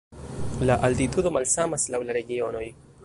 La altitudo malsamas laŭ la regionoj.